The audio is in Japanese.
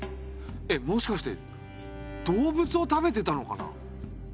えっもしかして動物を食べてたのかな？